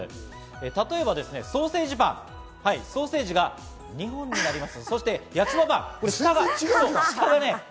例えばソーセージパン、ソーセージが２本になります。